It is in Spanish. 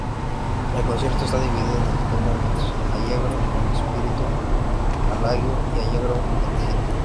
El concierto está dividido en tres movimientos, "Allegro con spirito", "Adagio" y "Allegro gentile".